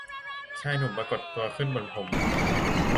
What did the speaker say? ชายหนุ่มปรากฏตัวขึ้นบนพรม